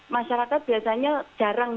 masyarakat biasanya jarang